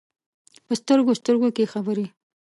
په سترګو، سترګو کې خبرې ،